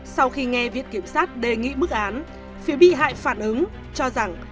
sau khi nghe viện kiểm sát đề nghị mức án phía bị hại phản ứng cho rằng